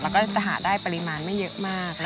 แล้วก็จะหาได้ปริมาณไม่เยอะมาก